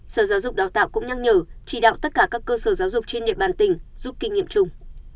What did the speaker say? sở giáo dục đào tạo cũng nhắc nhở chỉ đạo tất cả các cơ sở giáo dục trên địa bàn tỉnh giúp kinh nghiệm chung